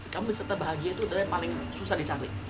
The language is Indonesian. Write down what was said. kamu peserta bahagia itu adalah yang paling susah dicari